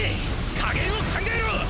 加減を考えろ！